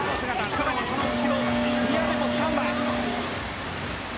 更にはその後ろ宮部もスタンバイ。